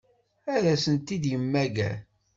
Ad ten-id-yemmager?